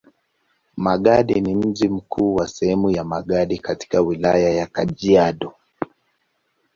Magadi ni mji mkuu wa sehemu ya Magadi katika Wilaya ya Kajiado.